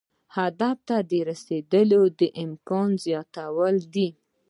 هدف ته د رسیدو د امکان زیاتوالی دی.